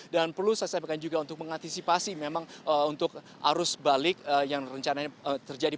dan perlu saya sampaikan juga untuk mengantisipasi memang untuk arus balik yang rencananya terjadi